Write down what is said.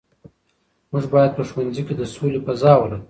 موږ باید په ښوونځي کې د سولې فضا ولرو.